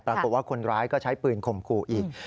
ปรากฏว่าคนร้ายก็ใช้ปืนข่มขู่อีก